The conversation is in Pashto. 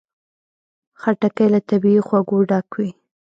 خټکی له طبیعي خوږو ډک وي.